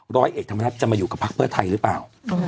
ร้อยเอกธรรมนัฐจะมาอยู่กับพักเพื่อไทยหรือเปล่า